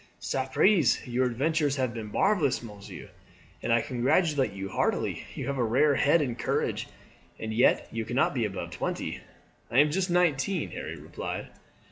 "Sapriste, your adventures have been marvellous, monsieur, and I congratulate you heartily. You have a rare head and courage, and yet you cannot be above twenty." "I am just nineteen," Harry replied.